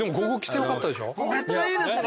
めっちゃいいですね。